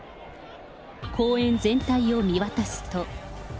公園全体を見渡すと。